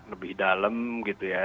lebih dalam gitu ya